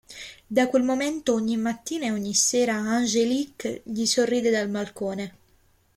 Da quel momento ogni mattina e ogni sera Angélique gli sorride dal balcone.